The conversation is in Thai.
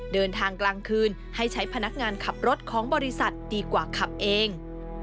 เดินทางกลางคืนให้ใช้พนักงานขับรถของบริษัทดีกว่าขับเอง